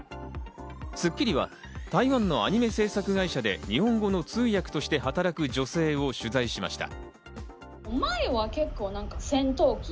『スッキリ』は台湾のアニメ制作会社で日本語の通訳として働く女性を取材しました。